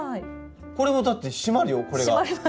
これもだって締まるよこれが。